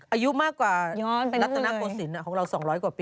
อายุมากกว่าลัตนักโปสินของเรา๒๐๐กว่าปีย้อนไปรู้เลย